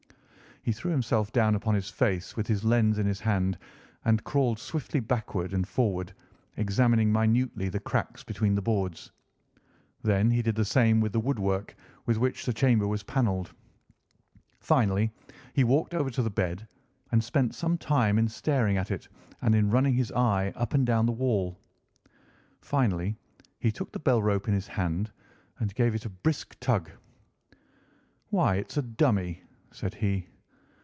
He threw himself down upon his face with his lens in his hand and crawled swiftly backward and forward, examining minutely the cracks between the boards. Then he did the same with the wood work with which the chamber was panelled. Finally he walked over to the bed and spent some time in staring at it and in running his eye up and down the wall. Finally he took the bell rope in his hand and gave it a brisk tug. "Why, it's a dummy," said he.